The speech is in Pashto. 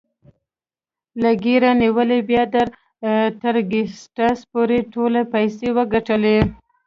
له ګيري نيولې بيا تر ګيټس پورې ټولو پيسې وګټلې.